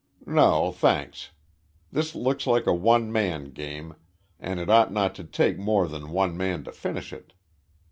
"No, thanks. This looks like a one man game and it ought not to take more than one man to finish it.